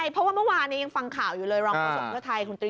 เพราะว่าเมื่อวานยังฟังข่าวอยู่เลยรองประสงค์เท่าไทย